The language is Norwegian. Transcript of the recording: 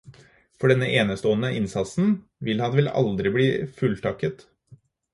For denne enestående innsatsen vil han vel aldri bli fulltakket.